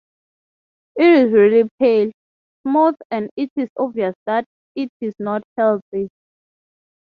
It is really pale, smooth, and it is obvious that it is not healthy.